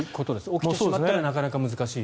起きてしまったらなかなか難しい。